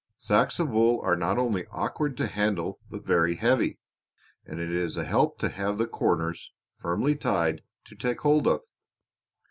"Sacks of wool are not only awkward to handle but very heavy, and it is a help to have the corners, firmly tied, to take hold of."